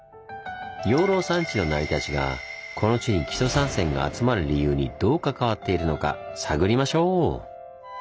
養老山地の成り立ちがこの地に木曽三川が集まる理由にどう関わっているのか探りましょう！